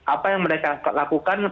apa yang mereka lakukan